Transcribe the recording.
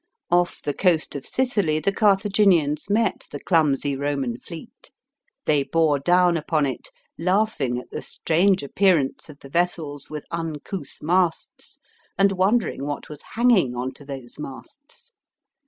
Off the coast of Sicily the Carthaginians met the clumsy Roman fleet. They bore down upon it, laughing at the strange appearance of the vessels with uncouth masts, and wondering what w r as hanging on to those masts.